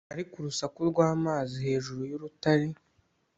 Ariko urusaku rwamazi hejuru yurutare